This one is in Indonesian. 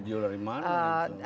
video dari mana gitu